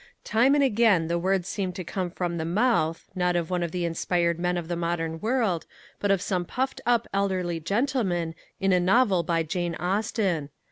Time and again the words seem to come from the mouth, not of one of the inspired men of the modern world, but of some puffed up elderly gentleman in a novel by Jane Austen.